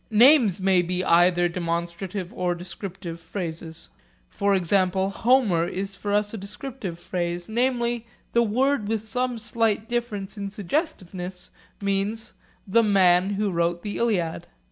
Names may be either demonstrative or descriptive phrases. For example 'Homer' is for us a descriptive phrase, namely, the word with some slight difference in suggestiveness means 'The man who wrote the Iliad.'